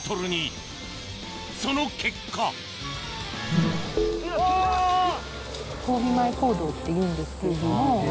その結果交尾前行動っていうんですけれども。